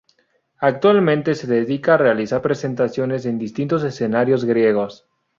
Actualmente, se dedica a realizar presentaciones en distintos escenarios griegos.